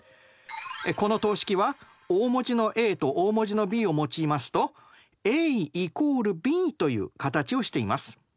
この等式は大文字のＡと大文字のＢを用いますとＡ＝Ｂという形をしています。